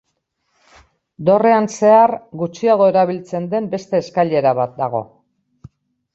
Dorrean zehar gutxiago erabiltzen den beste eskailera bat dago.